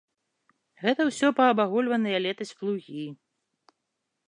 Гэта ўсё паабагульваныя летась плугі.